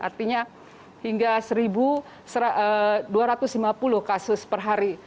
artinya hingga satu dua ratus lima puluh kasus per hari